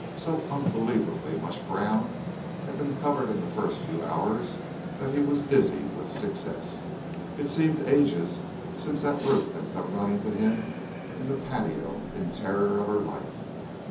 So unbelievably much ground had been covered in the first few hours that he was dizzy with success. It seemed ages since that Ruth had come running to him in the patio in terror of her life.